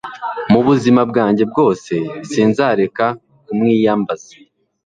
mu buzima bwanjye bwose sinzareka kumwiyambaza